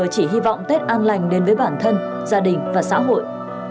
chỉ hy vọng tết an lành đến với bản thân gia đình và xã hội